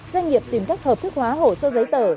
doanh nghiệp tìm cách hợp thức hóa hồ sơ giấy tờ